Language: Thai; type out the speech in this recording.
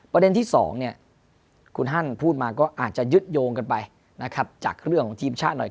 ประเด็นที่๒คุณฮันพูดมาก็อาจจะยึดโยงกันไปนะครับจากเรื่องของทีมชาติหน่อย